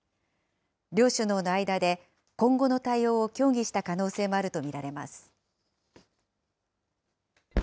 両首脳の間で、今後の対応を協議した可能性もあると見られます。